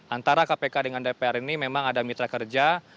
antara kpk dengan dpr ini memang ada mitra kerja